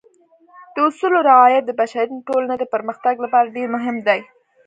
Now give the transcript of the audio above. د اصولو رعایت د بشري ټولنې د پرمختګ لپاره ډېر مهم دی.